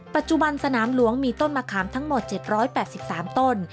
ปัจจุบันสนามหลวงมีต้นมะขามทั้งหมด๗๘๓ต้น